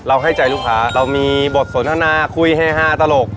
ให้ใจลูกค้าเรามีบทสนทนาคุยเฮฮาตลก